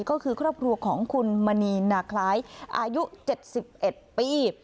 ก็คือครอบครัวของคุณมณีนาคล้ายอายุ๗๑ปี